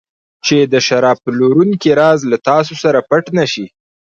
چې د شراب پلورونکي راز له تاسو پټ نه شي.